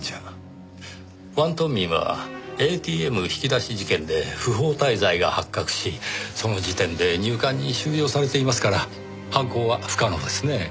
王東明はＡＴＭ引き出し事件で不法滞在が発覚しその時点で入管に収容されていますから犯行は不可能ですねぇ。